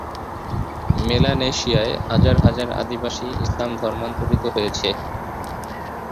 মেলানেশিয়ায় হাজার হাজার আদিবাসী ইসলামে ধর্মান্তরিত হয়েছে।